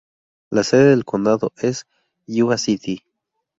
La sede del condado es Yuba City.